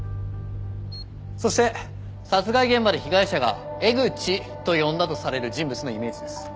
そして殺害現場で被害者がエグチと呼んだとされる人物のイメージです。